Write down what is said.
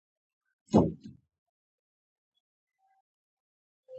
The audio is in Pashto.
بې ادبه خبرې زړه خوږوي.